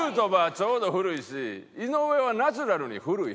ちょうど古いし井上はナチュラルに古い。